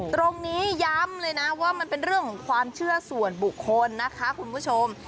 ตรงนี้ย้ำเลยนะว่ามันเป็นเรื่องของความเชื่อส่วนบุคคลนะคะคุณผู้ชม